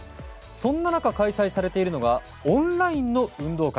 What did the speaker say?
そんな中、開催されているのはオンラインの運動会。